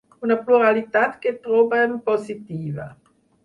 Una pluralitat que trobem positiva.